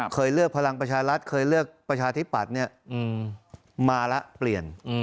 เคยเลือกพลังประชารัฐเคยเลือกประชาธิปัตย์มาแล้วเปลี่ยน